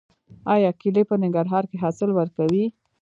آیا کیلې په ننګرهار کې حاصل ورکوي؟